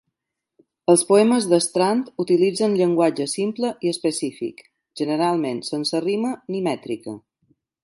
Els poemes d'Strand utilitzen llenguatge simple i específic, generalment sense rima ni mètrica.